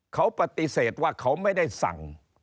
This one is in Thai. เขาปฏิเสธว่าเขาไม่ได้สั่ง